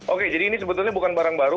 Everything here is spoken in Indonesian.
oke jadi ini sebetulnya bukan barang baru